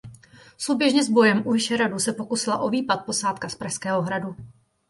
Souběžně s bojem u Vyšehradu se pokusila o výpad posádka z Pražského hradu.